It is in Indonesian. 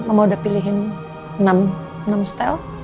mama udah pilihin enam stel